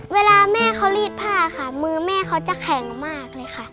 เวลาแม่เขารีดผ้าค่ะมือแม่เขาจะแข็งมากเลยค่ะ